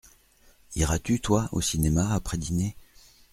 Iras-tu, toi, au cinéma après dîner ?